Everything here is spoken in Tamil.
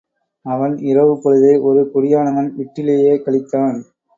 அவன் இரவுப்பொழுதை ஒரு குடியானவன் விட்டிலேயே கழித்தான்.